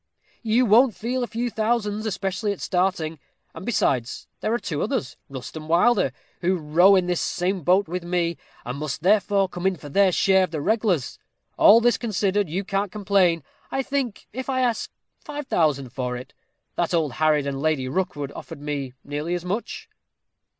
You won't feel a few thousands, especially at starting; and besides, there are two others, Rust and Wilder, who row in the same boat with me, and must therefore come in for their share of the reg'lars. All this considered, you can't complain, I think if I ask five thousand for it. That old harridan, Lady Rookwood, offered me nearly as much."